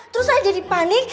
terus saya jadi panik